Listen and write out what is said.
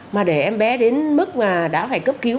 mà để em bé đến mức mà đã phải cấp cứu